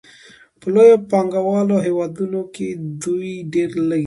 په لویو پانګوالو هېوادونو کې دوی ډېر لږ دي